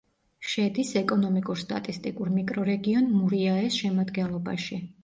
შედის ეკონომიკურ-სტატისტიკურ მიკრორეგიონ მურიაეს შემადგენლობაში.